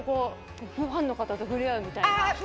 ファンの方と触れ合うっていう。